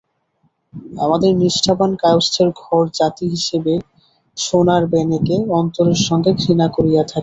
আমাদের নিষ্ঠাবান কায়স্থের ঘর–জাতি হিসেবে সোনার-বেনেকে অন্তরের সঙ্গে ঘৃণা করিয়া থাকি।